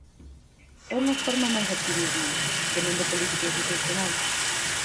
É unha forma máis de activismo, que non de política institucional.